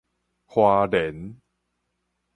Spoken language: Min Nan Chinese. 花蓮